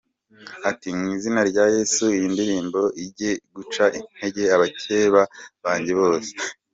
Ati “Mu izina rya Yesu, iyi ndirimbo ije guca intege abakeba banjye bose.